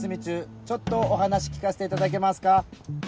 ちょっとお話聞かせていただけますか？